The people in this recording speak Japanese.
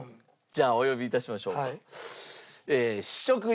じゃあお呼び致しましょうか。